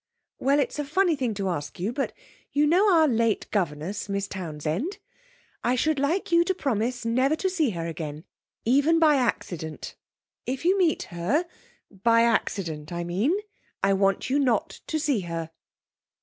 'Well, it's a funny thing to ask you, but you know our late governess, Miss Townsend? I should like you to promise never to see her again, even by accident. If you meet her by accident, I mean I want you not to see her.'